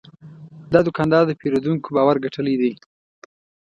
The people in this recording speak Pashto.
دا دوکاندار د پیرودونکو باور ګټلی دی.